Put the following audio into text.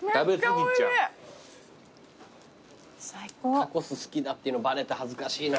タコス好きだっていうのバレて恥ずかしいな。